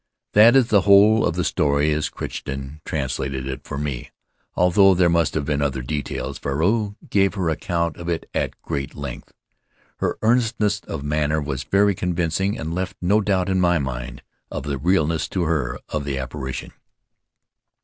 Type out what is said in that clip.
That is the whole of the story as Crichton translated it for me, although there must have been other details, for Ruau gave her account of it at great length. Her earnestness of manner was very convincing, and left no doubt in my mind of the realness to her of the ap parition.